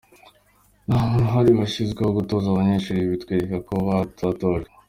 Nta munsi uhari washyizweho wo gutoza abanyeshuri, ibi bitwereka ko batatojwe.